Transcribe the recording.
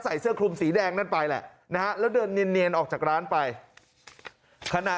ใส่เสื้อคลุมสีแดงนั่นไปแหละนะฮะแล้วเดินเนียนออกจากร้านไปขณะ